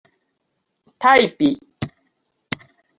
tajpi